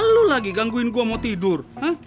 lu lagi gangguin gue mau tidur